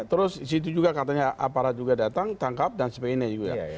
terus di situ juga katanya aparat juga datang tangkap dan sebagainya gitu ya